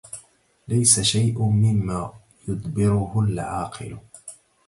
ليس شيء مما يدبره العاقل